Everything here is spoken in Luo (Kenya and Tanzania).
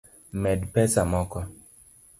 Med pesa moko